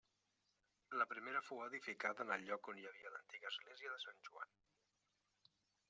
La primera fou edificada en el lloc on hi havia l'antiga església de Sant Joan.